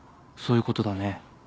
そういうことだね。